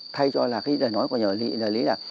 thay cho là cái nói của nhà lý là